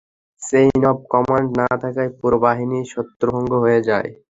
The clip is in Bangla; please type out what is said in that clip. চেইন অব কমান্ড না থাকায় পুরো বাহিনী ছত্রভঙ্গ হয়ে যায়।